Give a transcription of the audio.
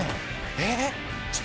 えっ？